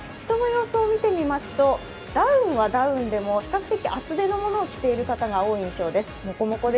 人の様子を見てみますとダウンはダウンでも比較的厚手のものを着ている人が多いです。